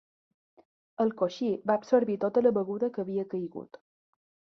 El coixí va absorbir tota la beguda que havia caigut.